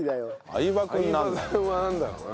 相葉君なんだろうね。